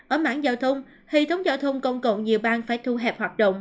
ở mãn giao thông hị thống giao thông công cộng nhiều bang phải thu hẹp hoạt động